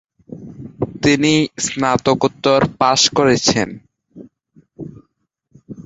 তিনি স্নাতকোত্তর পাশ করেছেন।